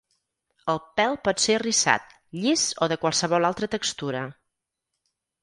El pèl pot ser arrissat, llis o de qualsevol altra textura.